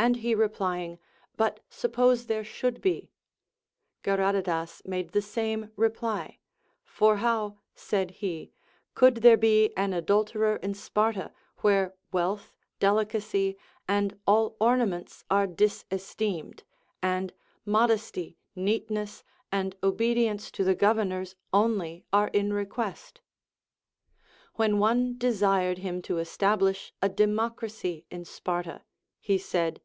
And he replymg, But sup pose there should be ? Geradatas made the same reply ; For how (said he) could there be an adulterer in Sparta, where wealth, delicacy, and all ornaments are disesteemed, and modesty, neatness, and obedience to the governors only are in request] A\^hen one desired him to establish a de mocracy in Sparta, he said.